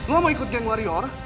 lo mau ikut geng warior